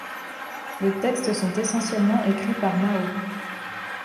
Les textes sont essentiellement écrits par Mao.